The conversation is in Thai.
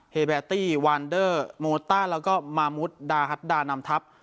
เบตตี้วานเดอร์โมต้าแล้วก็มามุดดาฮัตดานำทัพ